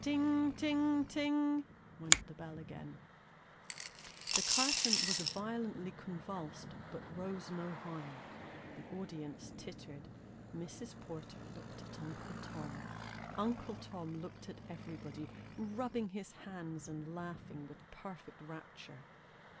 Ting, ting, ting ! went the bell again. The curtain was violently convulsed, but rose no higher ; the audience tittered ; Mrs. Porter looked at Uncle Tom ; Uncle Tom looked at everybody, rubbing his hands, and laughing with perfect rapture.